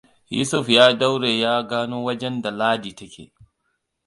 Yusuf ya daure ya gano wajenda Ladi ta ke.